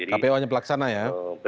kpu hanya pelaksana ya